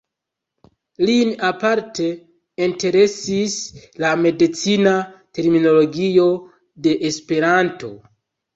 Lin aparte interesis la medicina terminologio de Esperanto.